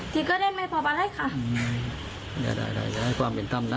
ที่กระเด็นไม่ครบอะไรค่ะ